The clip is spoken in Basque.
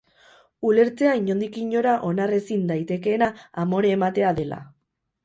Ulertzea inondik inora onar ezin daitekeena amore ematea dela.